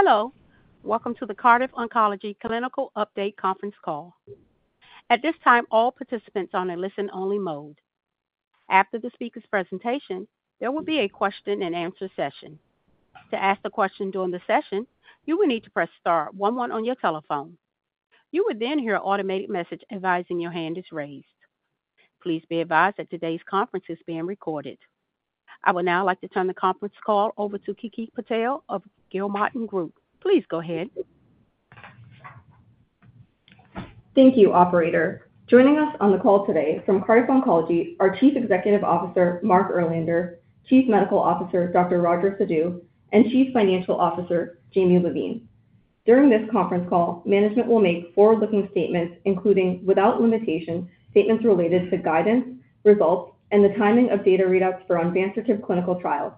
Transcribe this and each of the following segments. Hello. Welcome to the Cardiff Oncology clinical update conference call. At this time, all participants are on a listen-only mode. After the speaker's presentation, there will be a question-and-answer session. To ask a question during the session, you will need to press star one one on your telephone. You will then hear an automated message advising your hand is raised. Please be advised that today's conference is being recorded. I would now like to turn the conference call over to Kiki Patel of Gilmartin Group. Please go ahead. Thank you, Operator. Joining us on the call today from Cardiff Oncology are Chief Executive Officer Mark Erlander, Chief Medical Officer Dr. Roger Sadhu, and Chief Financial Officer Jamie Levine. During this conference call, management will make forward-looking statements, including, without limitation, statements related to guidance, results, and the timing of data readouts for onvansertib clinical trials.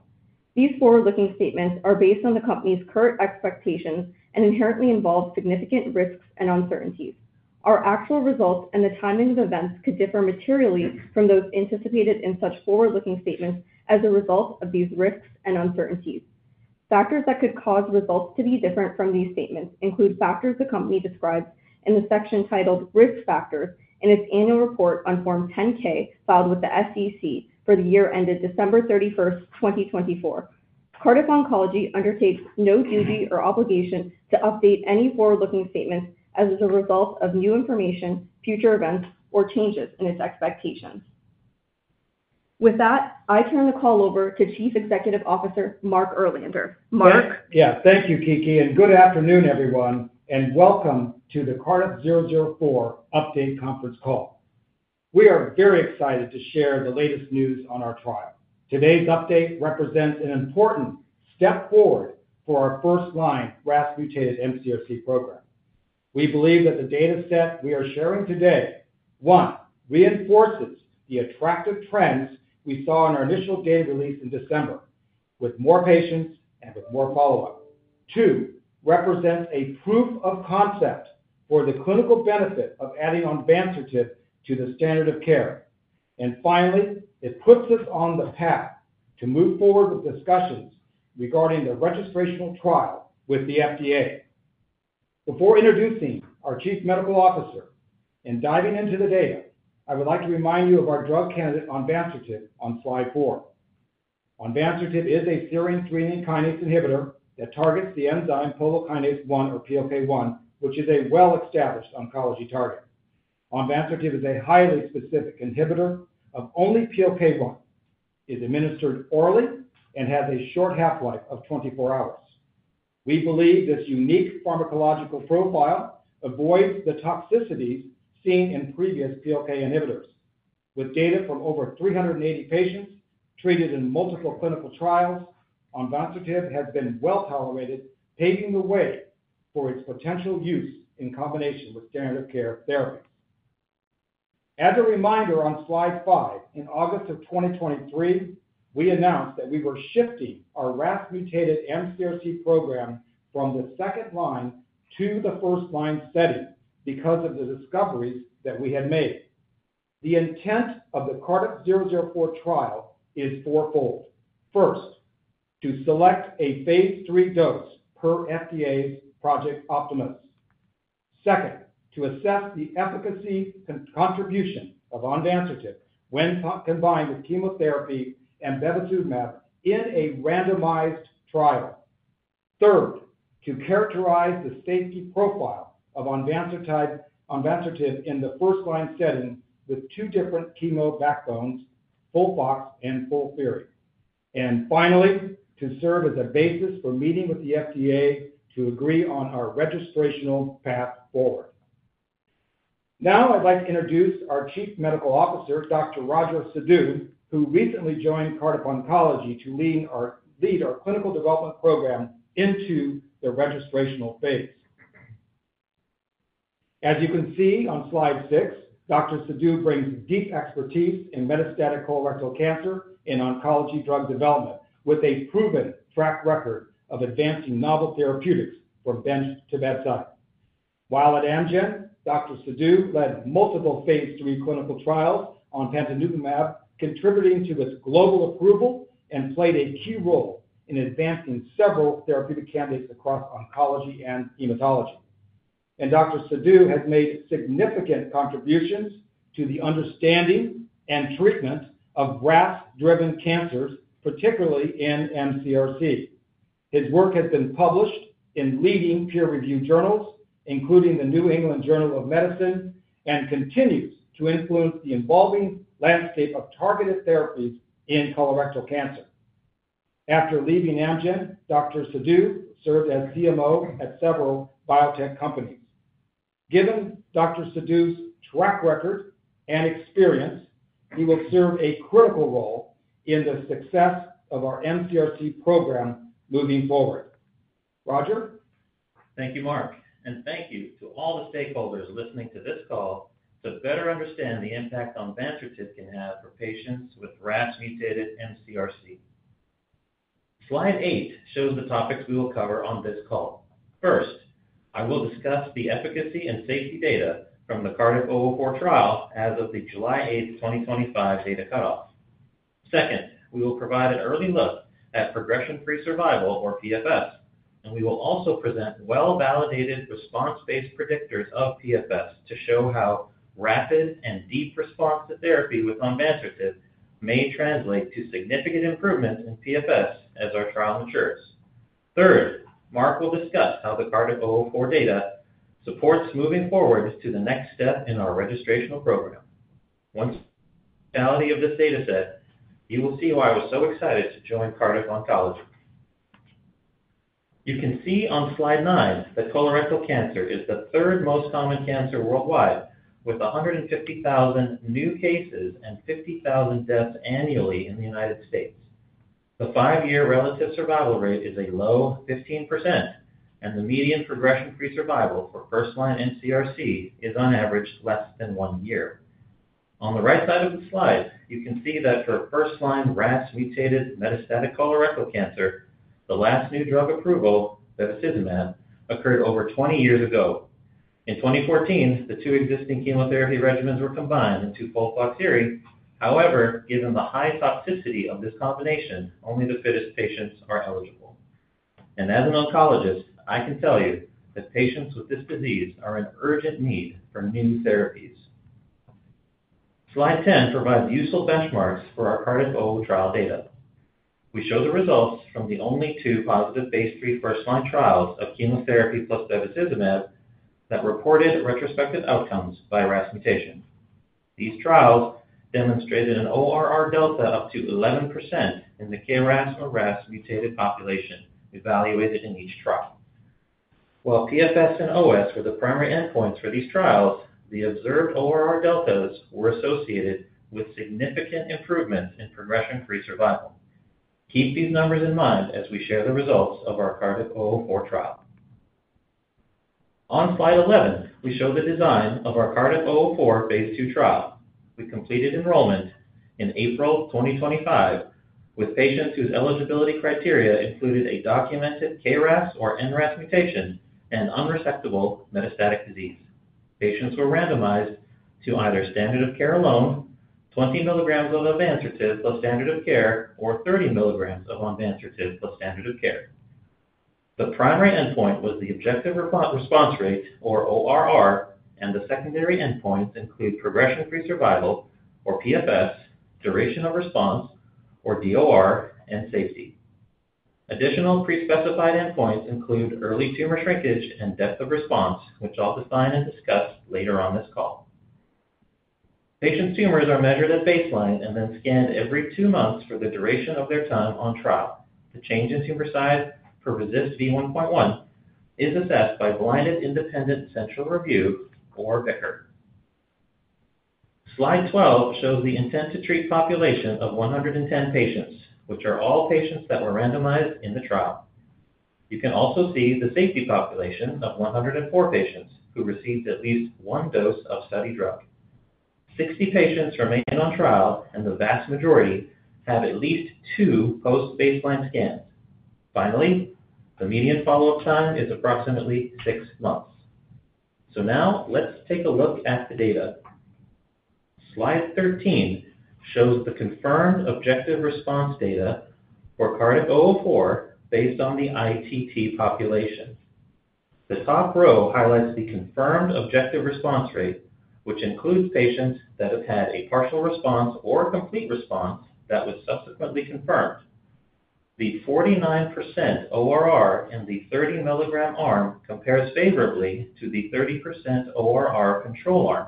These forward-looking statements are based on the company's current expectations and inherently involve significant risks and uncertainties. Our actual results and the timing of events could differ materially from those anticipated in such forward-looking statements as a result of these risks and uncertainties. Factors that could cause results to be different from these statements include factors the company describes in the section titled Risk Factors in its annual report on Form 10-K filed with the SEC for the year ended December 31st, 2024. Cardiff Oncology undertakes no duty or obligation to update any forward-looking statements as a result of new information, future events, or changes in its expectation. With that, I turn the call over to Chief Executive Officer Mark Erlander. Mark? Yes. Thank you, Kiki, and good afternoon, everyone, and welcome to the CRDF-004 update conference call. We are very excited to share the latest news on our trial. Today's update represents an important step forward first-line RAS-mutated mCRC program. we believe that the dataset we are sharing today: one, reinforces the attractive trends we saw in our initial data release in December, with more patients and with more follow-up. Two, represents a proof of concept for the clinical benefit of adding onvansertib to the standard of care. Finally, it puts us on the path to move forward with discussions regarding the registration trial with the FDA. Before introducing our Chief Medical Officer and diving into the data, I would like to remind you of our drug candidate, onvansertib, on slide four. Onvansertib is a serine/threonine kinase inhibitor that targets the enzyme PLK1, which is a well-established oncology target. Onvansertib is a highly specific inhibitor of only PLK1. It is administered orally and has a short half-life of 24 hours. We believe this unique pharmacological profile avoids the toxicities seen in previous PLK inhibitors. With data from over 380 patients treated in multiple clinical trials, onvansertib has been well tolerated, paving the way for its potential use in combination with standard of care therapy. As a reminder, on slide five, in August of 2023, we announced that we were shifting our RAS-mutated mCRC program from the second line to the first-line study because of the discoveries that we had made. The intent of the CRDF-004 trial is fourfold. First, to select a phase 3 dose per FDA's Project Optimus. Second, to assess the efficacy contribution of onvansertib when combined with chemotherapy and bevacizumab in a randomized trial. Third, to characterize the safety profile of onvansertib in the first-line setting with two different chemo backbones, FOLFOX and FOLFIRI. Finally, to serve as a basis for meeting with the FDA to agree on our registrational path forward. Now, I'd like to introduce our Chief Medical Officer, Dr. Roger Sadhu, who recently joined Cardiff Oncology to lead our clinical development program into the registrational phase. As you can see on slide six, Dr. Sadhu brings deep expertise in metastatic colorectal cancer and oncology drug development, with a proven track record of advancing novel therapeutics from bench to bedside. While at Amgen, Dr. Sadhu led multiple phase 3 clinical trials on panitumumab, contributing to its global approval and played a key role in advancing several therapeutic candidates across oncology and hematology. Dr. Sadhu has made significant contributions to the understanding and treatment of RAS-driven cancers, particularly in mCRC. His work has been published in leading peer-reviewed journals, including the New England Journal of Medicine, and continues to influence the evolving landscape of targeted therapies in colorectal cancer. After leaving Amgen, Dr. Sadhu served as CMO at several biotech companies. Given Dr. Sadhu's track record and experience, he will serve a critical role in the success of our mCRC program moving forward. Roger? Thank you, Mark, and thank you to all the stakeholders listening to this call to better understand the impact onvansertib can have for patients with RAS-mutated mCRC. Slide eight shows the topics we will cover on this call. First, I will discuss the efficacy and safety data from the CRDF-004 trial as of the July 8, 2025, data cutoff. Second, we will provide an early look at progression-free survival, or PFS, and we will also present well-validated response-based predictors of PFS to show how rapid and deep response to therapy with onvansertib may translate to significant improvement in PFS as our trial matures. Third, Mark will discuss how the CRDF-004 data supports moving forward to the next step in our registrational program. Once you have the totality of this dataset, you will see why I was so excited to join Cardiff Oncology. You can see on slide nine that colorectal cancer is the third most common cancer worldwide, with 150,000 new cases and 50,000 deaths annually in the United States. The five-year relative survival rate is a low 15%, and the median progression-free survival for first-line mCRC is, on average, less than one year. On the right side of the slide, you can see that first-line RAS-mutated metastatic colorectal cancer, the last new drug approval, bevacizumab, occurred over 20 years ago. In 2014, the two existing chemotherapy regimens were combined to FOLFIRI. However, given the high toxicity of this combination, only the fittest patients are eligible. As an oncologist, I can tell you that patients with this disease are in urgent need for new therapies. Slide 10 provides useful benchmarks for our CRDF-004 trial data. We show the results from the only two positive phase 3 first-line trials of chemotherapy plus bevacizumab that reported retrospective outcomes by RAS mutation. These trials demonstrated an ORR delta up to 11% in the KRAS or RAS-mutated population evaluated in each trial. While PFS and OS were the primary endpoints for these trials, the observed ORR deltas were associated with significant improvement in progression-free survival. Keep these numbers in mind as we share the results of our CRDF-004 trial. On slide 11, we show the design of our CRDF-004 phase 2 trial. We completed enrollment in April 2025 with patients whose eligibility criteria included a documented KRAS or NRAS mutation and unresectable metastatic disease. Patients were randomized to either standard of care alone, 20 mg of onvansertib plus standard of care, or 30 mg of onvansertib plus standard of care. The primary endpoint was the objective response rate, or ORR, and the secondary endpoints include progression-free survival, or PFS, duration of response, or DOR, and safety. Additional pre-specified endpoints include early tumor shrinkage and depth of response, which I'll define and discuss later on this call. Patients' tumors are measured at baseline and then scanned every two months for the duration of their time on trial. The change in tumor size for RECIST v1.1 is assessed by blinded independent central review, or BICR. Slide 12 shows the intent-to-treat population of 110 patients, which are all patients that were randomized in the trial. You can also see the safety population of 104 patients who received at least one dose of study drug. Sixty patients remain on trial, and the vast majority have at least two post-baseline scans. Finally, the median follow-up time is approximately six months. Now, let's take a look at the data. Slide 13 shows the confirmed objective response data for CRDF-004 based on the ITT population. The top row highlights the confirmed objective response rate, which includes patients that have had a partial response or complete response that was subsequently confirmed. The 49% ORR in the 30 mg arm compares favorably to the 30% ORR control arm,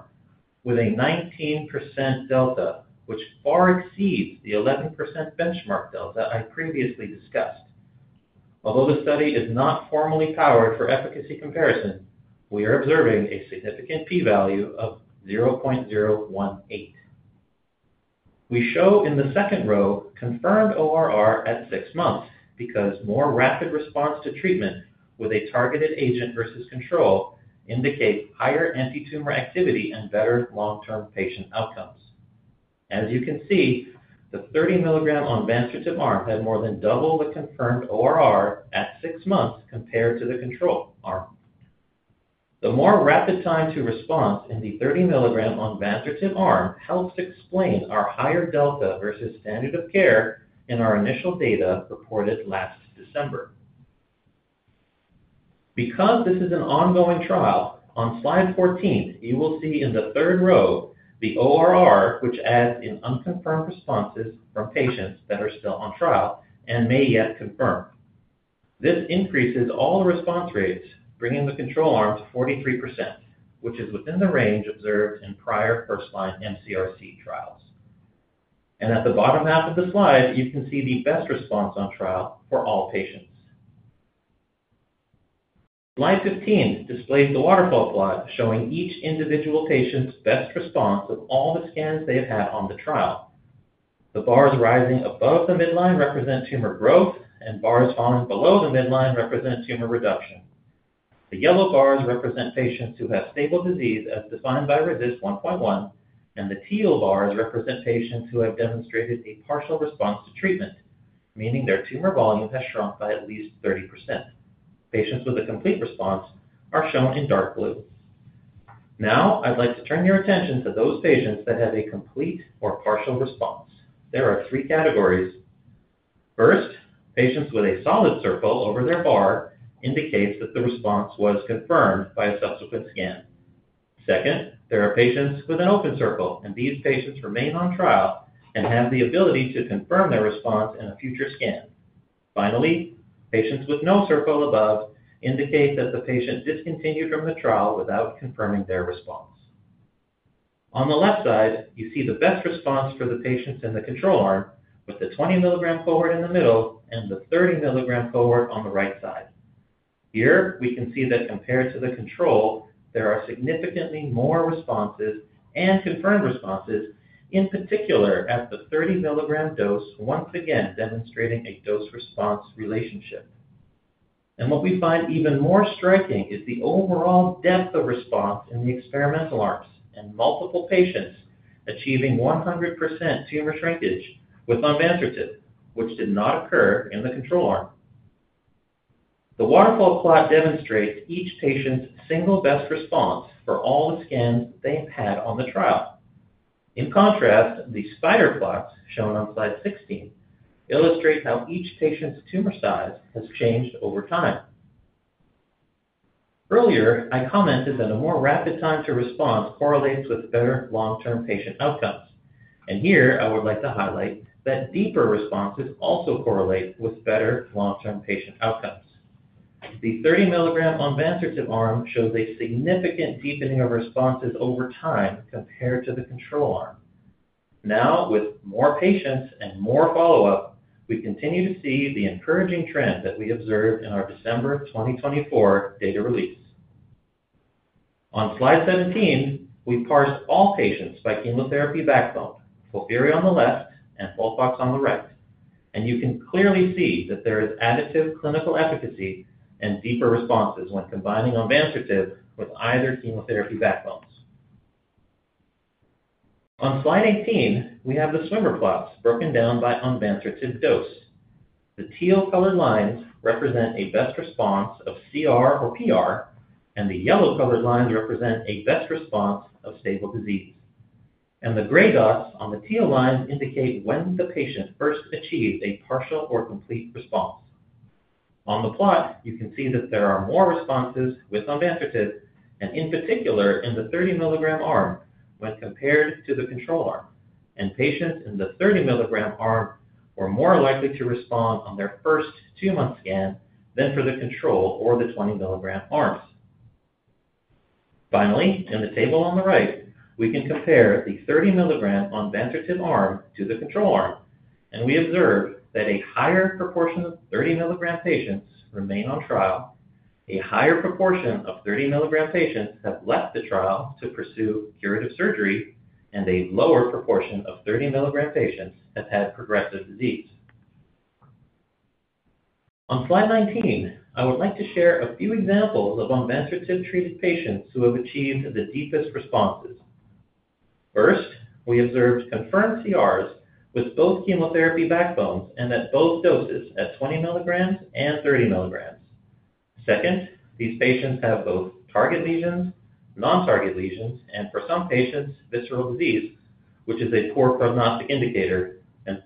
with a 19% delta, which far exceeds the 11% benchmark delta I previously discussed. Although the study is not formally powered for efficacy comparison, we are observing a significant p-value of 0.018. We show in the second row confirmed ORR at six months because more rapid response to treatment with a targeted agent versus control indicates higher antitumor activity and better long-term patient outcomes. As you can see, the 30 mg onvansertib arm had more than double the confirmed ORR at six months compared to the control arm. The more rapid time to respond in the 30 mg onvansertib arm helps explain our higher delta versus standard of care in our initial data reported last December. Because this is an ongoing trial, on slide 14, you will see in the third row the ORR, which adds in unconfirmed responses from patients that are still on trial and may yet confirm. This increases all response rates, bringing the control arm to 43%, which is within the range observed in prior first-line mCRC trials. At the bottom half of the slide, you can see the best response on trial for all patients. Slide 15 displays the waterfall plot showing each individual patient's best response with all the scans they have had on the trial. The bars rising above the midline represent tumor growth, and bars falling below the midline represent tumor reduction. The yellow bars represent patients who have stable disease as defined by RECIST 1.1, and the teal bars represent patients who have demonstrated a partial response to treatment, meaning their tumor volume has shrunk by at least 30%. Patients with a complete response are shown in dark blue. Now, I'd like to turn your attention to those patients that have a complete or partial response. There are three categories. First, patients with a solid circle over their bar indicate that the response was confirmed by a subsequent scan. Second, there are patients with an open circle, and these patients remain on trial and have the ability to confirm their response in a future scan. Finally, patients with no circle above indicate that the patient discontinued from the trial without confirming their response. On the left side, you see the best response for the patients in the control arm, with the 20 mg cohort in the middle and the 30 mg cohort on the right side. Here, we can see that compared to the control, there are significantly more responses and confirmed responses, in particular at the 30 mg dose, once again demonstrating a dose-response relationship. What we find even more striking is the overall depth of response in the experimental arms and multiple patients achieving 100% tumor shrinkage with onvansertib, which did not occur in the control arm. The waterfall plot demonstrates each patient's single best response for all the scans they have had on the trial. In contrast, the spider plots shown on slide 16 illustrate how each patient's tumor size has changed over time. Earlier, I commented that a more rapid time to response correlates with better long-term patient outcomes. Here, I would like to highlight that deeper responses also correlate with better long-term patient outcomes. The 30 mg onvansertib arm shows a significant deepening of responses over time compared to the control arm. Now, with more patients and more follow-up, we continue to see the encouraging trend that we observed in our December 2024 data release. On slide 17, we parsed all patients by chemotherapy backbone, FOLFIRI on the left and FOLFOX on the right. You can clearly see that there is additive clinical efficacy and deeper responses when combining onvansertib with either chemotherapy backbones. On slide 18, we have the swimmer plots broken down by onvansertib dose. The teal-colored lines represent a best response of CR or PR, and the yellow-colored lines represent a best response of stable disease. The gray dots on the teal lines indicate when the patient first achieved a partial or complete response. On the plot, you can see that there are more responses with onvansertib, particularly in the 30 mg arm, when compared to the control arm. Patients in the 30 mg arm are more likely to respond on their first two-month scan than the control or the 20 mg arm. Finally, in the table on the right, we can compare the 30 mg onvansertib arm to the control arm. We observe that a higher proportion of 30 mg patients remain on trial, a higher proportion of 30 mg patients have left the trial to pursue curative surgery, and a lower proportion of 30 mg patients have had progressive disease. On slide 19, I would like to share a few examples of onvansertib-treated patients who have achieved the deepest responses. First, we observed confirmed CRs with both chemotherapy backbones and at both doses at 20 mg and 30 mg. Second, these patients have both target lesions, non-target lesions, and for some patients, visceral disease, which is a poor prognostic indicator.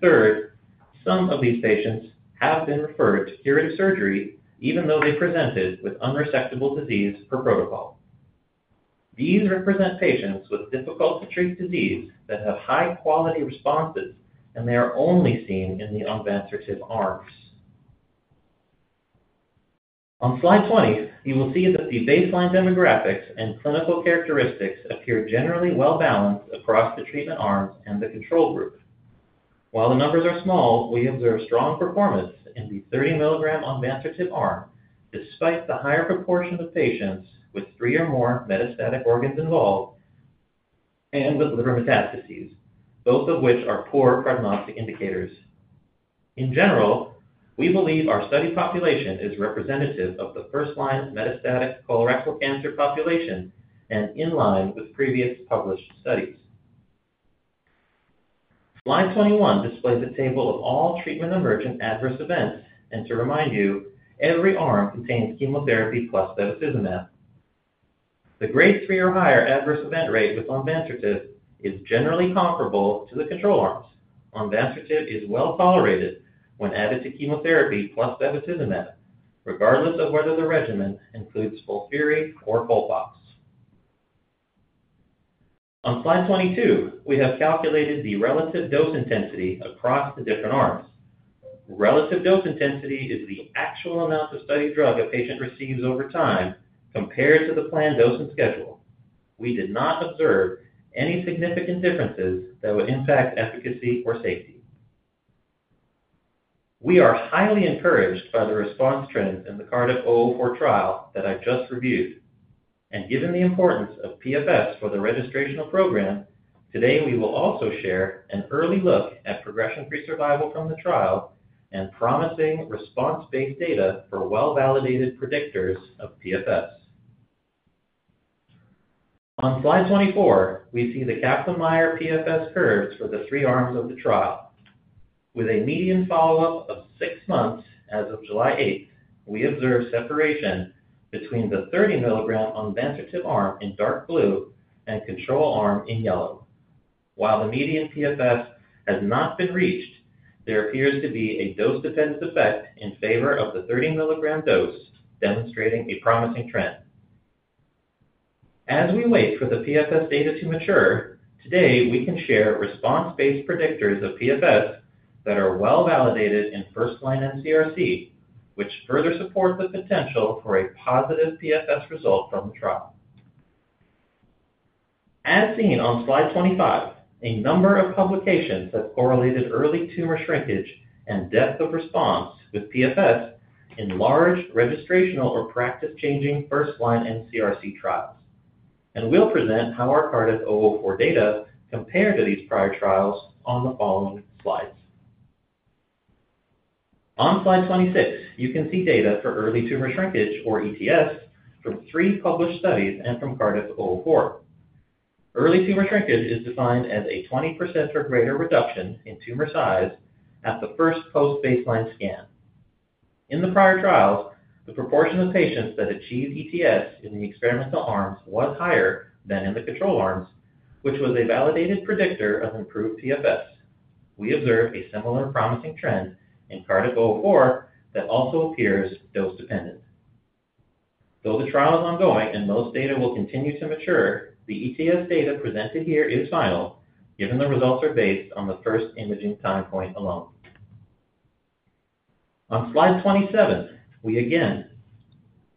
Third, some of these patients have been referred to curative surgery even though they presented with unresectable disease per protocol. These represent patients with difficult-to-treat disease that have high-quality responses, and they are only seen in the onvansertib arms. On slide 20, you will see that the baseline demographics and clinical characteristics appear generally well balanced across the treatment arms and the control group. While the numbers are small, we observe strong performance in the 30 mg onvansertib arm despite the higher proportion of patients with three or more metastatic organs involved and with liver metastases, both of which are poor prognostic indicators. In general, we believe our study population is representative of the first-line metastatic colorectal cancer population and in line with previous published studies. Slide 21 displays the table of all treatment-emergent adverse events. To remind you, every arm contains chemotherapy plus bevacizumab. The grade 3 or higher adverse event rate with onvansertib is generally comparable to the control arms. Onvansertib is well tolerated when added to chemotherapy plus bevacizumab, regardless of whether the regimen includes FOLFIRI or FOLFOX. On slide 22, we have calculated the relative dose intensity across the different arms. Relative dose intensity is the actual amount of study drug a patient receives over time compared to the planned dosing schedule. We did not observe any significant differences that would impact efficacy or safety. We are highly encouraged by the response trend in the CRDF-004 trial that I just reviewed. Given the importance of PFS for the registrational program, today we will also share an early look at progression-free survival from the trial and promising response-based data for well-validated predictors of PFS. On slide 24, we see the Kaplan-Meier PFS curves for the three arms of the trial. With a median follow-up of six months as of July 8, we observe separation between the 30 mg onvansertib arm in dark blue and control arm in yellow. While the median PFS has not been reached, there appears to be a dose-dependent effect in favor of the 30 mg dose, demonstrating a promising trend. As we wait for the PFS data to mature, today we can share response-based predictors of PFS that are well validated in first-line mCRC, which further support the potential for a positive PFS result from the trial. As seen on slide 25, a number of publications have correlated early tumor shrinkage and depth of response with PFS in large registrational or practice-changing first-line mCRC trials. We will present how our CRDF-004 data compared to these prior trials on the following slides. On slide 26, you can see data for early tumor shrinkage, or ETS, from three published studies and from CRDF-004. Early tumor shrinkage is defined as a 20% or greater reduction in tumor size at the first post-baseline scan. In the prior trials, the proportion of patients that achieved ETS in the experimental arms was higher than in the control arms, which was a validated predictor of improved PFS. We observed a similar promising trend in CRDF-004 that also appears dose-dependent. Though the trial is ongoing and most data will continue to mature, the ETS data presented here is final, given the results are based on the first imaging time point alone. On slide 27, we again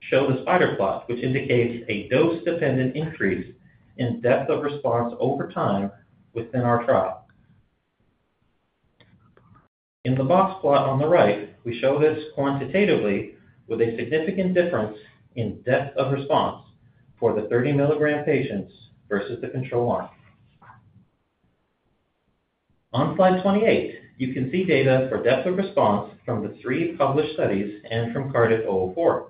show the spider plot, which indicates a dose-dependent increase in depth of response over time within our trial. In the box plot on the right, we show this quantitatively with a significant difference in depth of response for the 30 mg patients versus the control arm. On slide 28, you can see data for depth of response from the three published studies and from CRDF-004.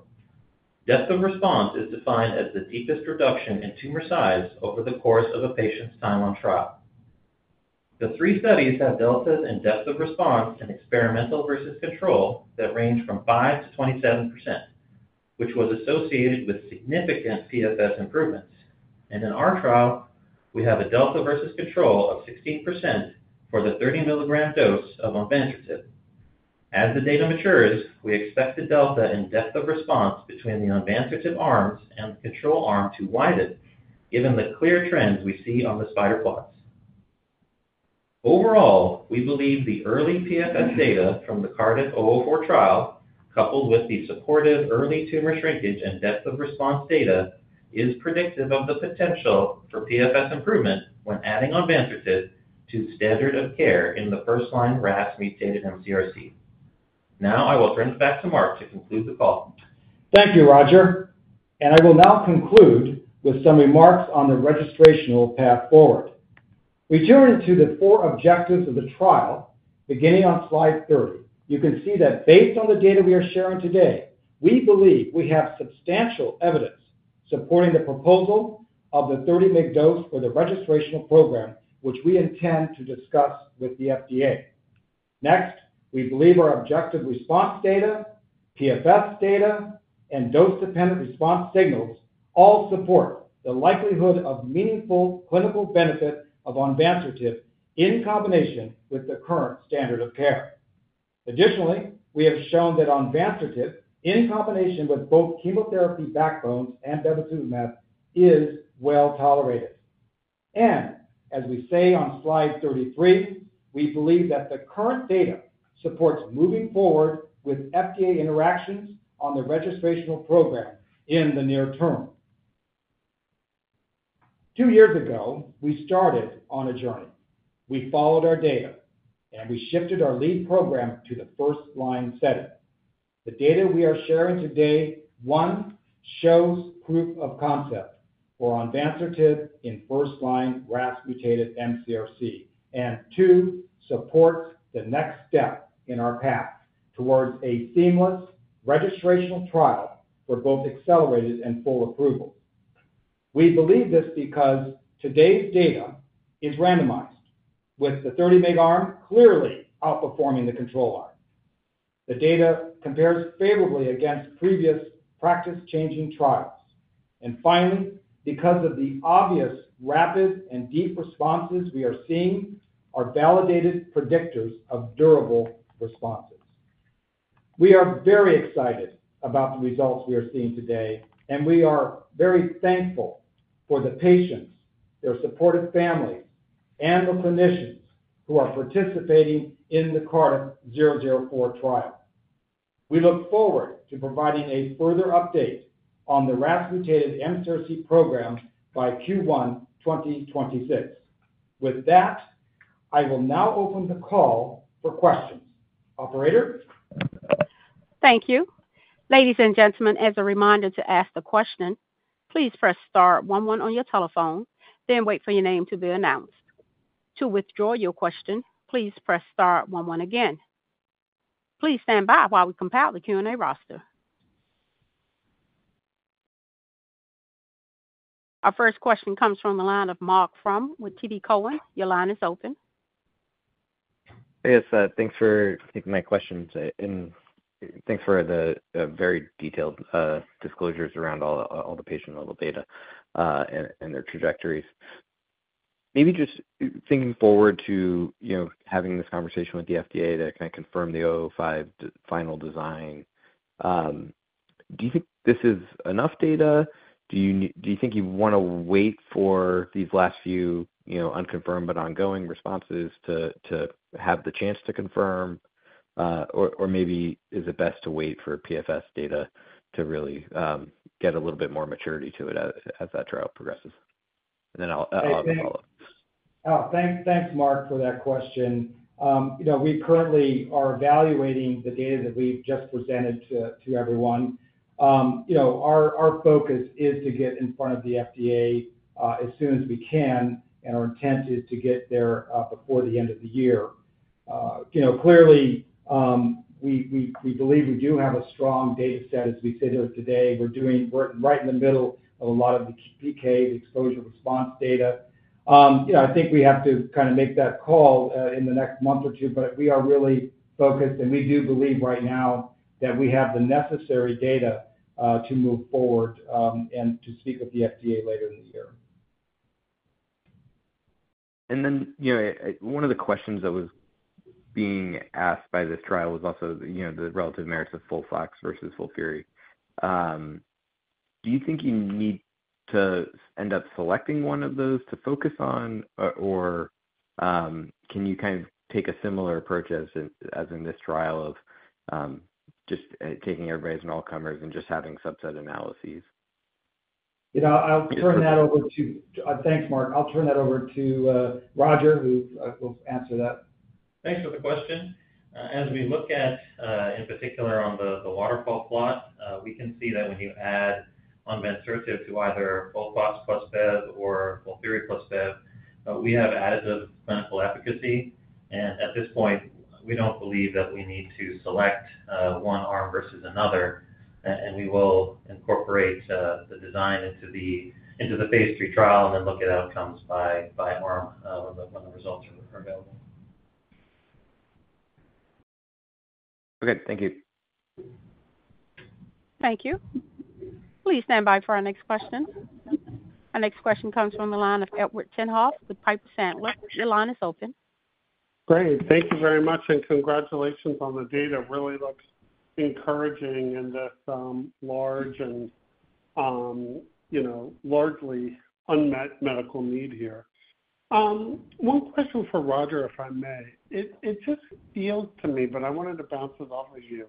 Depth of response is defined as the deepest reduction in tumor size over the course of a patient's time on trial. The three studies have deltas in depth of response in experimental versus control that range from 5%-27%, which was associated with significant PFS improvement. In our trial, we have a delta versus control of 16% for the 30 mg dose of onvansertib. As the data matures, we expect the delta in depth of response between the onvansertib arms and the control arm to widen, given the clear trends we see on the spider plots. Overall, we believe the early PFS data from the CRDF-004 trial, coupled with the supported early tumor shrinkage and depth of response data, is predictive of the potential for PFS improvement when adding onvansertib to standard of care in the first-line RAS-mutated mCRC. Now, i will turn it back to Mark to conclude the call. Thank you, Roger. I will now conclude with some remarks on the registrational path forward. We turn to the four objectives of the trial, beginning on slide three. You can see that based on the data we are sharing today, we believe we have substantial evidence supporting the proposal of the 30 mg dose for the registrational program, which we intend to discuss with the FDA. Next, we believe our objective response data, PFS data, and dose-dependent response signals all support the likelihood of meaningful clinical benefit of onvansertib in combination with the current standard of care. Additionally, we have shown that onvansertib in combination with both chemotherapy backbones and bevacizumab is well tolerated. As we say on slide 33, we believe that the current data supports moving forward with FDA interactions on the registrational program in the near term. Two years ago, we started on a journey. We followed our data, and we shifted our lead program to the first-line setup. The data we are sharing today, one, shows proof of concept for onvansertib in first-line RAS-mutated mCRC, and two, supports the next step in our path towards a seamless registrational trial for both accelerated and full approval. We believe this because today's data is randomized with the 30 mg arm clearly outperforming the control arm. The data compares favorably against previous practice-changing trials. Finally, because of the obvious rapid and deep responses we are seeing, our validated predictors of durable responses. We are very excited about the results we are seeing today, and we are very thankful for the patients, their supportive families, and the clinicians who are participating in the CRDF-004 trial. We look forward to providing a further update on the RAS-mutated mCRC program by Q1 2026. With that, I will now open the call for questions. Operator? Thank you. Ladies and gentlemen, as a reminder to ask a question, please press star one one on your telephone, then wait for your name to be announced. To withdraw your question, please press star one one again. Please stand by while we compile the Q&A roster. Our first question comes from the line of Marc Frahm with TD Cowen. Your line is open. Yes, thanks for taking my questions. Thanks for the very detailed disclosures around all the patient-level data and their trajectories. Maybe just thinking forward to having this conversation with the FDA to kind of confirm the 005 final design, do you think this is enough data? Do you think you want to wait for these last few unconfirmed but ongoing responses to have the chance to confirm? Maybe is it best to wait for PFS data to really get a little bit more maturity to it as that trial progresses? I'll follow up. Thanks, Mark, for that question. We currently are evaluating the data that we've just presented to everyone. Our focus is to get in front of the FDA as soon as we can, and our intent is to get there before the end of the year. Clearly, we believe we do have a strong dataset. As we sit here today, we're right in the middle of a lot of the PK, the exposure response data. I think we have to kind of make that call in the next month or two, but we are really focused, and we do believe right now that we have the necessary data to move forward and to speak with the FDA later in the year. One of the questions that was being asked by this trial was also the relative merits of FOLFOX versus FOLFIRI. Do you think you need to end up selecting one of those to focus on, or can you kind of take a similar approach as in this trial of just taking everybody as an all-comers and just having subset analyses? Thanks, Mark. I'll turn that over to Roger, who will answer that. Thanks for the question. As we look at, in particular, on the waterfall plot, we can see that when you add onvansertib to either FOLFOX+BEV or FOLFIRI+BEV, we have additive clinical efficacy. At this point, we don't believe that we need to select one arm versus another. We will incorporate the design into the phase 3 trial and then look at outcomes by tomorrow when the results are available. Okay. Thank you. Thank you. Please stand by for our next question. Our next question comes from the line of Edward Tenthoff with Piper Sandler. Your line is open. Great. Thank you very much, and congratulations on the data. It really looks encouraging in this large and, you know, largely unmet medical need here. One question for Roger, if I may. It just feels to me, but I wanted to bounce this off of you,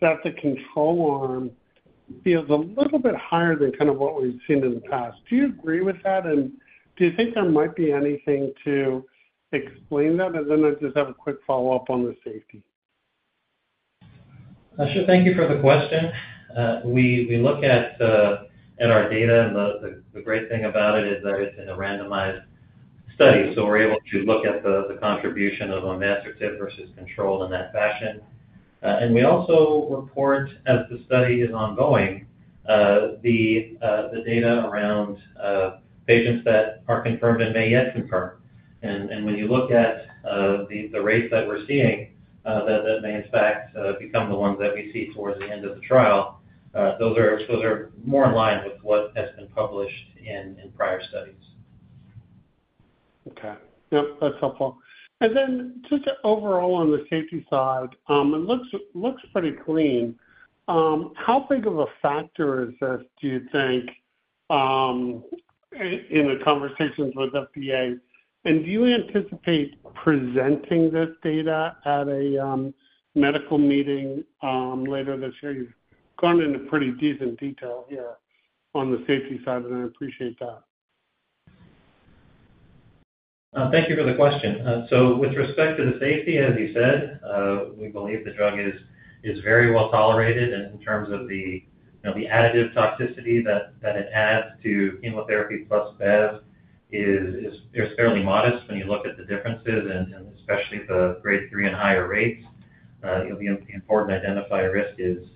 that the control arm feels a little bit higher than kind of what we've seen in the past. Do you agree with that? Do you think there might be anything to explain that? I just have a quick follow-up on the safety. Sure. Thank you for the question. We look at our data, and the great thing about it is that it's in a randomized study. We are able to look at the contribution of onvansertib versus control in that fashion. We also report, as the study is ongoing, the data around patients that are confirmed and may yet confirm. When you look at the rates that we're seeing that may, in fact, become the ones that we see towards the end of the trial, those are more in line with what has been published in prior studies. Okay. Yep. That's helpful. On the safety side, it looks pretty clean. How big of a factor is this, do you think, in the conversations with the FDA? Do you anticipate presenting this data at a medical meeting later this year? You've gone into pretty decent detail here on the safety side, and I appreciate that. Thank you for the question. With respect to the safety, as you said, we believe the drug is very well tolerated in terms of the additive toxicity that it adds to chemotherapy plus bev is fairly modest when you look at the differences, especially the grade 3 and higher rates. The important identifier risk is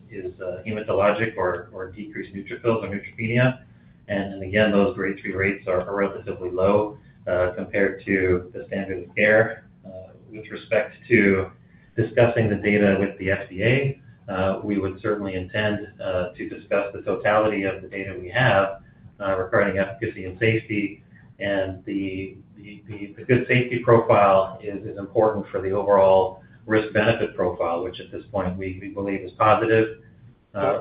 hematologic or decreased neutrophils or neutropenia. Again, those grade 3 rates are relatively low compared to the standard of care. With respect to discussing the data with the FDA, we would certainly intend to discuss the totality of the data we have regarding efficacy and safety. The good safety profile is important for the overall risk-benefit profile, which at this point we believe is positive.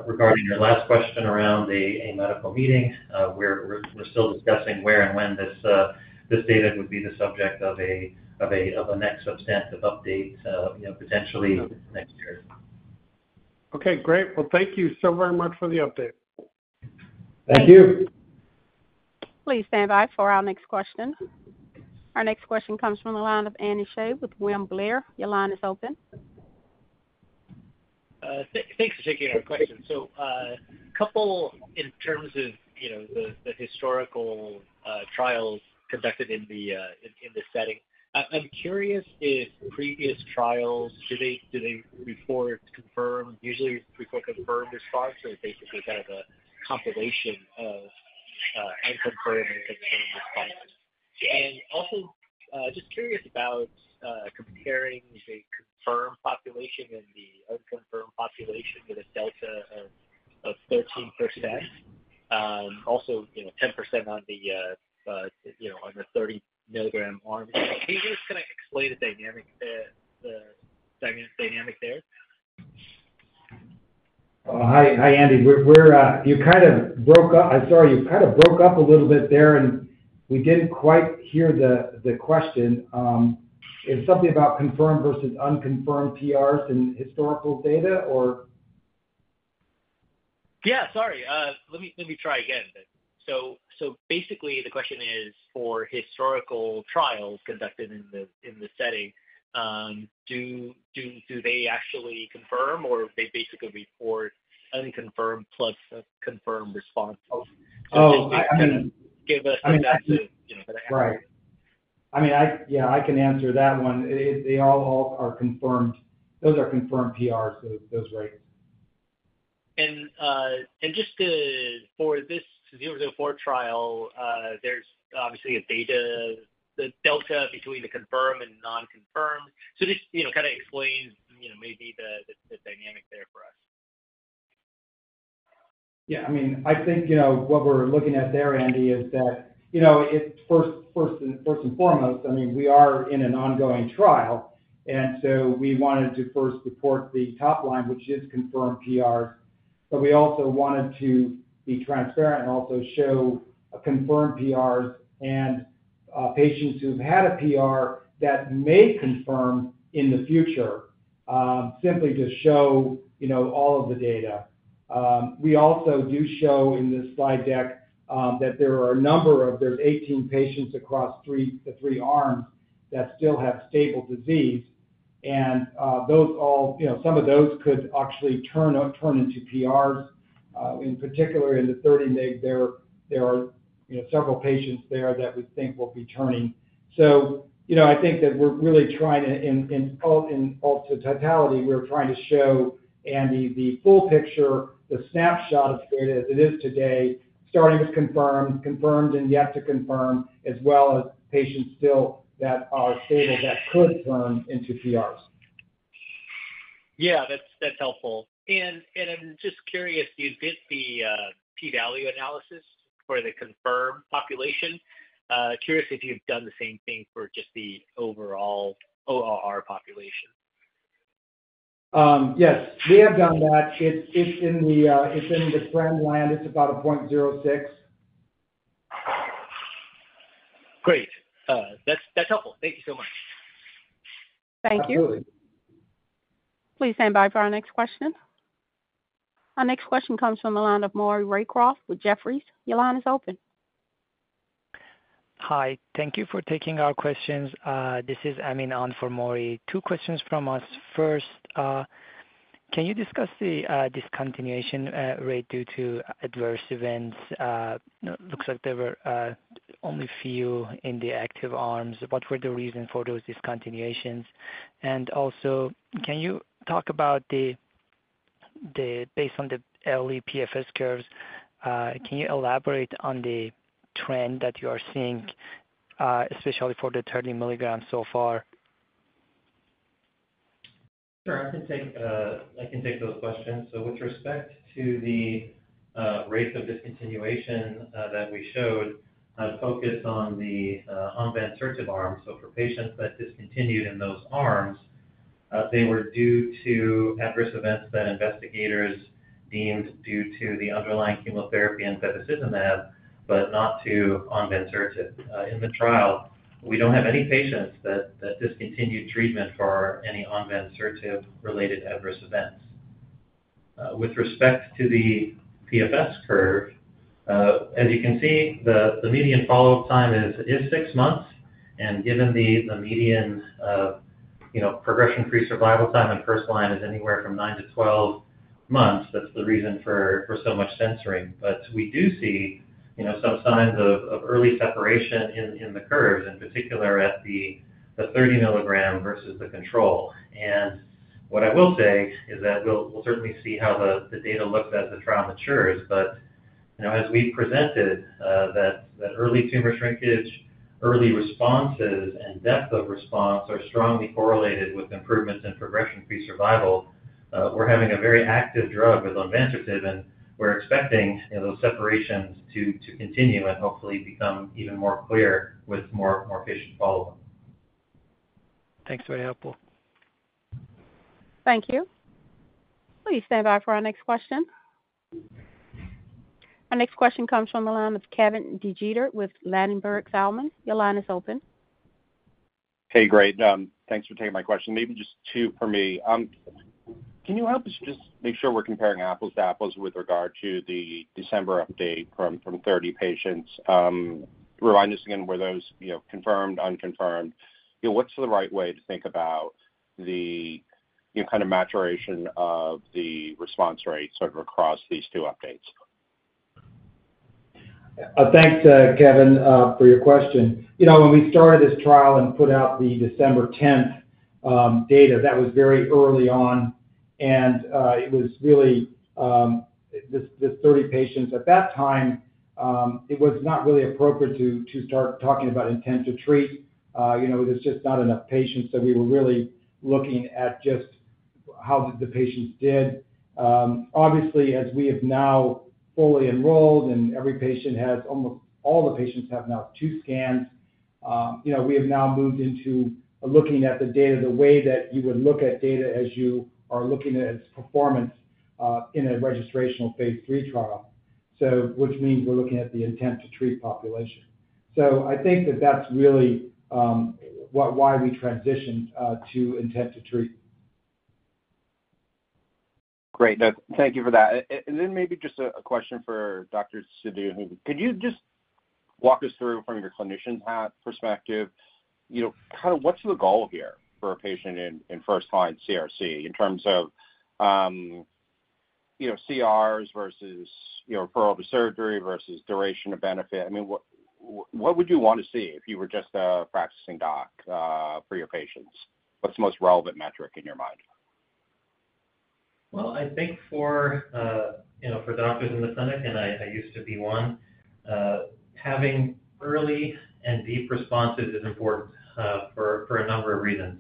Regarding your last question around a medical meeting, we're still discussing where and when this data would be the subject of a next substantive update, potentially next year. Great. Thank you so very much for the update. Thank you. Please stand by for our next question. Our next question comes from the line of Andy Hsieh with William Blair. Your line is open. Thanks for taking our question. A couple in terms of, you know, the historical trials conducted in this setting, I'm curious if previous trials, do they before confirm, usually before confirmed response, or is it basically kind of a compilation of unconfirmed and confirmed responses? I'm just curious about comparing the confirmed population and the unconfirmed population with a delta of 13%. Also, you know, 10% on the, you know, on the 30 mg arm. Can you just kind of explain the dynamic there, the dynamic there? Hi, Andy. You kind of broke up. I'm sorry. You kind of broke up a little bit there, and we didn't quite hear the question. It was something about confirmed versus unconfirmed PRs and historical data, or? Let me try again. Basically, the question is, for historical trials conducted in the setting, do they actually confirm, or do they report unconfirmed plus a confirmed response? I mean, that's it. Right. I can answer that one. They all are confirmed. Those are confirmed PRs, those rates. For this 004 trial, there's obviously a data, the delta between the confirmed and non-confirmed. This kind of explains, you know, maybe the dynamic there for us. Yeah. I mean, I think what we're looking at there, Andy, is that it's first and foremost, I mean, we are in an ongoing trial. We wanted to first support the top line, which is confirmed PRs. We also wanted to be transparent and also show confirmed PRs and patients who've had a PR that may confirm in the future, simply to show all of the data. We also do show in this slide deck that there are a number of, there's 18 patients across the three arms that still have stable disease. Those all, some of those could actually turn into PRs. In particular, in the 30, there are several patients there that we think will be turning. I think that we're really trying to, in all, in totality, we're trying to show, Andy, the full picture, the snapshot of the data it is today, starting with confirmed, confirmed, and yet to confirm, as well as patients still that are stable that could turn into PRs. That's helpful. I'm just curious, do you get the p-value analysis for the confirmed population? Curious if you've done the same thing for just the overall ORR population. Yes. We have done that. It's in the [slam] line. It's about $0.06. Great. That's helpful. Thank you so much. Thank you. Absolutely. Please stand by for our next question. Our next question comes from the line of Maury Raycroft with Jefferies. Your line is open. Hi. Thank you for taking our questions. This is [Amin Ahm] for Maury. Two questions from us. First, can you discuss the discontinuation rate due to adverse events? Looks like there were only a few in the active arms. What were the reasons for those discontinuations? Also, can you talk about the, based on the early PFS curves, can you elaborate on the trend that you are seeing, especially for the 30 mg so far? Sure. I can take those questions. With respect to the rates of discontinuation that we showed, I'm focused on the onvansertib arm. For patients that discontinued in those arms, they were due to adverse events that investigators deemed due to the underlying chemotherapy and bevacizumab, but not to onvansertib. In the trial, we don't have any patients that discontinued treatment for any onvansertib-related adverse events. With respect to the PFS curve, as you can see, the median follow-up time is six months. Given the median progression-free survival time in first line is anywhere from 9 to 12 months, that's the reason for so much censoring. We do see some signs of early separation in the curve, in particular at the 30 mg versus the control. What I will say is that we'll certainly see how the data looks as the trial matures. As we've presented, that early tumor shrinkage, early responses, and depth of response are strongly correlated with improvements in progression-free survival. We're having a very active drug with onvansertib, and we're expecting those separations to continue and hopefully become even more clear with more patient follow-up. Thanks. Very helpful. Thank you. Please stand by for our next question. Our next question comes from the line of Kevin DeGeeter with Ladenburg Thalmann. Your line is open. Hey, great. Thanks for taking my question. Maybe just two for me. Can you help us just make sure we're comparing apples to apples with regard to the December update from 30 patients? Remind us again where those, you know, confirmed, unconfirmed. What's the right way to think about the kind of maturation of the response rate across these two updates? Thanks, Kevin, for your question. You know, when we started this trial and put out the December 10th data, that was very early on. It was really this 30 patients at that time, it was not really appropriate to start talking about intent to treat. You know, there's just not enough patients. We were really looking at just how the patients did. Obviously, as we have now fully enrolled and almost all the patients have now two scans, you know, we have now moved into looking at the data the way that you would look at data as you are looking at its performance in a registrational phase 3 trial, which means we're looking at the intent to treat population. I think that that's really why we transitioned to intent to treat. Great. Thank you for that. Maybe just a question for Sadhu. Could you just walk us through from your clinician perspective, you know, kind of what's the goal here for a patient in first-line CRC in terms of, you know, CRs versus, you know, referral to surgery versus duration of benefit? I mean, what would you want to see if you were just a practicing doc for your patients? What's the most relevant metric in your mind? I think for doctors in the clinic, and I used to be one, having early and deep responses is important for a number of reasons.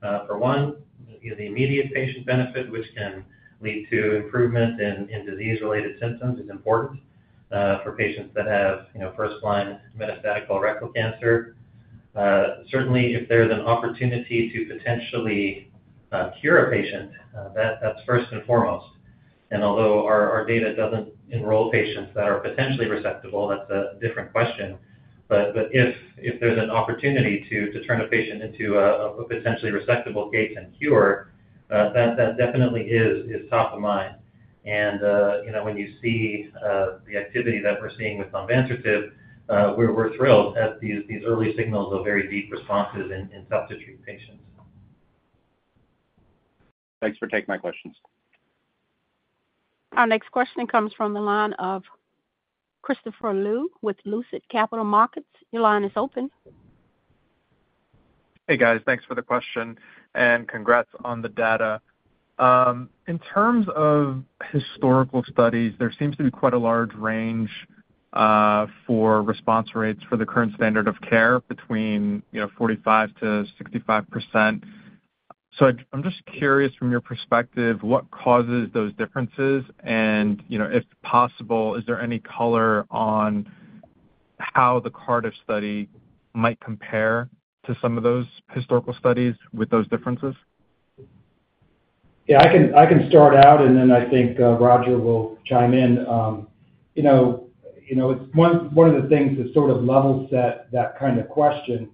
For one, the immediate patient benefit, which can lead to improvement in disease-related symptoms, is important for patients that have first-line metastatic colorectal cancer. Certainly, if there's an opportunity to potentially cure a patient, that's first and foremost. Although our data doesn't enroll patients that are potentially resectable, that's a different question. If there's an opportunity to turn a patient into a potentially resectable case and cure, that definitely is top of mind. When you see the activity that we're seeing with onvansertib, we're thrilled at these early signals of very deep responses in tough-to-treat patients. Thanks for taking my questions. Our next question comes from the line of Christopher Liu with Lucid Capital Markets. Your line is open. Hey, guys. Thanks for the question, and congrats on the data. In terms of historical studies, there seems to be quite a large range for response rates for the current standard of care between 45%-65%. I'm just curious, from your perspective, what causes those differences? If possible, is there any color on how the CRDF study might compare to some of those historical studies with those differences? Yeah. I can start out, and then I think Roger will chime in. You know, it's one of the things that sort of levels that kind of question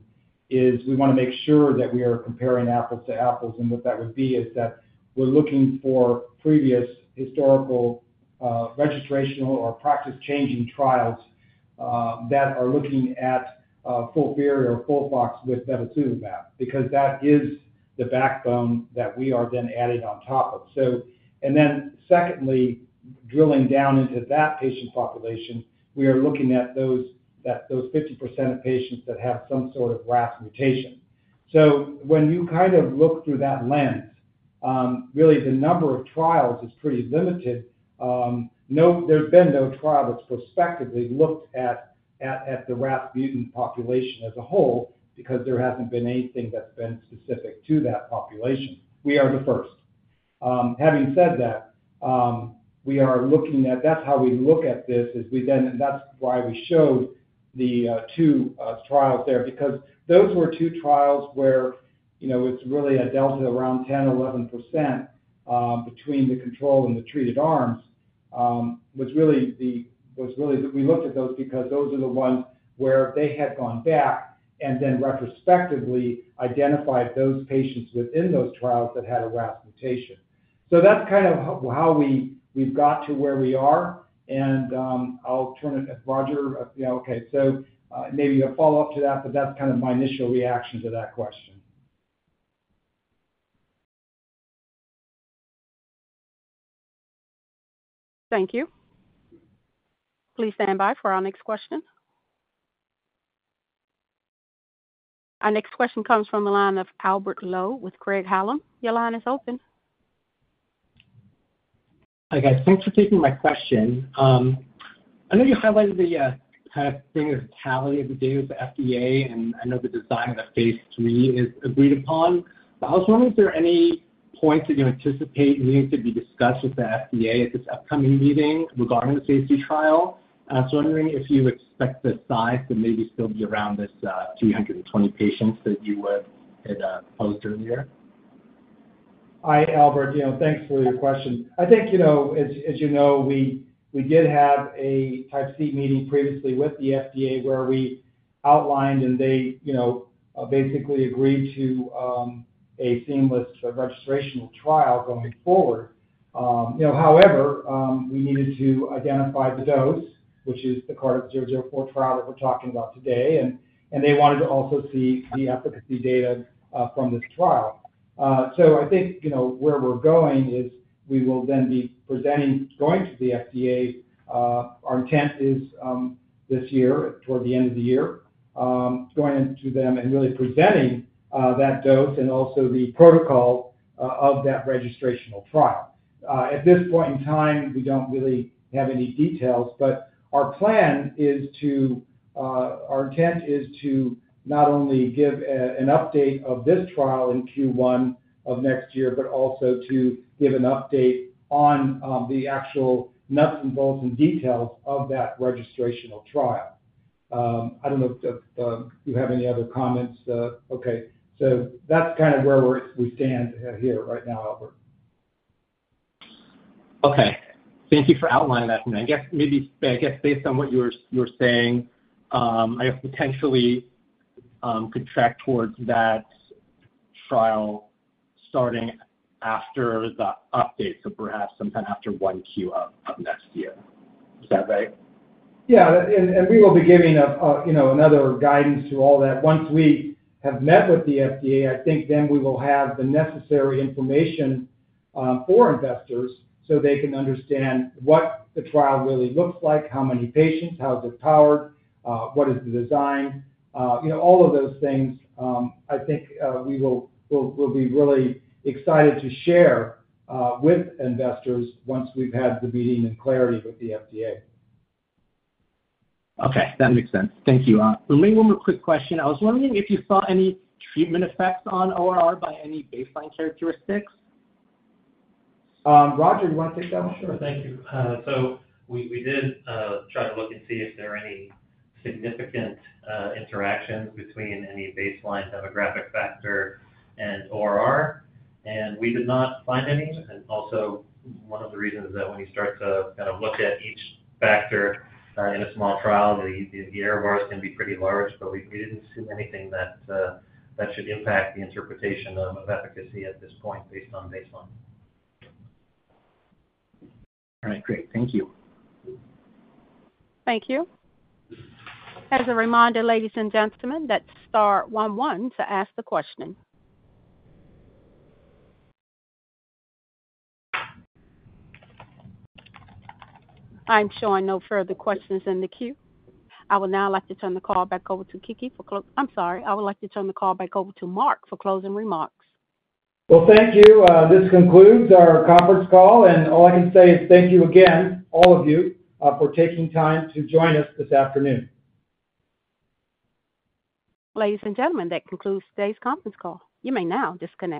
is we want to make sure that we are comparing apples to apples. What that would be is that we're looking for previous historical registrational or practice-changing trials that are looking at FOLFIRI or FOLFOX with bevacizumab because that is the backbone that we are then adding on top of. Secondly, drilling down into that patient population, we are looking at those 50% of patients that have some sort of RAS mutation. When you kind of look through that lens, really, the number of trials is pretty limited. There's been no trial that's prospectively looked at the RAS mutant population as a whole because there hasn't been anything that's been specific to that population. We are the first. Having said that, that's how we look at this. We then, and that's why we showed the two trials there because those were two trials where, you know, it's really a delta around 10%, 11% between the control and the treated arms. That was really why we looked at those because those are the ones where they had gone back and then retrospectively identified those patients within those trials that had a RAS mutation. That's kind of how we've got to where we are. I'll turn it, Roger, you know, okay. Maybe a follow-up to that, but that's kind of my initial reaction to that question. Thank you. Please stand by for our next question. Our next question comes from the line of Albert Lowe with Craig-Hallum. Your line is open. Hi, guys. Thanks for taking my question. I know you're highlighting the kind of thing of the totality of the data with the FDA, and I know the design of the phase 3 is agreed upon. I was wondering if there are any points that you anticipate needing to be discussed with the FDA at this upcoming meeting regarding the phase 3 trial. I was wondering if you expect the size to maybe still be around this 320 patients that you had posed earlier. All right, Albert. Thanks for your question. As you know, we did have a Type C meeting previously with the FDA where we outlined, and they basically agreed to a seamless registrational trial going forward. However, we needed to identify the dose, which is the CRDF-004 trial that we're talking about today. They wanted to also see the efficacy data from this trial. I think where we're going is we will then be presenting, going to the FDA. Our intent is this year, toward the end of the year, going into them and really presenting that dose and also the protocol of that registrational trial. At this point in time, we don't really have any details, but our plan is to, our intent is to not only give an update of this trial in Q1 of next year, but also to give an update on the actual nuts and bolts and details of that registrational trial. I don't know if you have any other comments. That's kind of where we stand here right now, Albert. Thank you for outlining that. I guess based on what you were saying, potentially could track towards that trial starting after the update, so perhaps sometime after Q1 of this year. Is that right? We will be giving another guidance to all that once we have met with the FDA. I think then we will have the necessary information for investors so they can understand what the trial really looks like, how many patients, how it is powered, what is the design. All of those things, I think we will be really excited to share with investors once we've had the meeting and clarity with the FDA. Okay. That makes sense. Thank you. For me, one more quick question. I was wondering if you saw any treatment effects on ORR by any baseline characteristics. Roger, do you want to take that one? Thank you. We did try to look and see if there are any significant interactions between any baseline demographic factor and ORR. We did not find any. One of the reasons is that when you start to kind of look at each factor in a small trial, the error bars can be pretty large, but we didn't see anything that should impact the interpretation of efficacy at this point based on baseline. All right. Great. Thank you. Thank you. As a reminder, ladies and gentlemen, that's star one one to ask the question. I'm showing no further questions in the queue. I would now like to turn the call back over to Mark for closing remarks. Thank you. This concludes our conference call. All I can say is thank you again, all of you, for taking time to join us this afternoon. Ladies and gentlemen, that concludes today's conference call. You may now disconnect.